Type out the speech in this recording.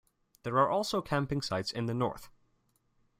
There are also camping sites in the north.